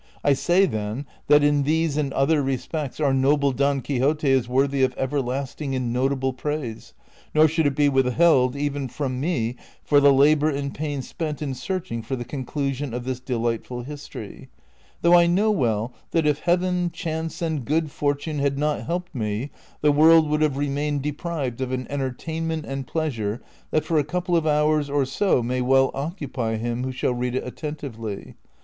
1 say, then, that in these and other res])ects our noble Don Quixote is worthy of everlasting and notable jn aise, nor should it be with held even from me for the labor and pains spent in searching for the conchision of this delightful history ; thougl" I know well that if Heaven, chance, and good fortune had not helped me, the world would have remained deprived of an entertain ment and pleasure that for a couple of hours or so may well occupy him who shall read it attentively.